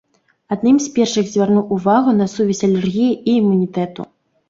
Адным з першых звярнуў увагу на сувязь алергіі і імунітэту.